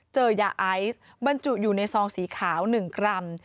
เจอยาไอซ์บรรจุอยู่ในซองสีขาว๑กรัม